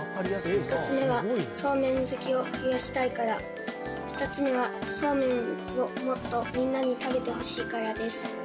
１つ目はそうめん好きを増やしたいから２つ目はそうめんをもっとみんなに食べてほしいからです